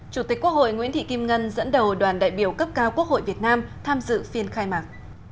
chủ tịch quốc hội nguyễn thị kim ngân dẫn đầu đoàn đại biểu cấp cao quốc hội việt nam tham dự phiên khai mạc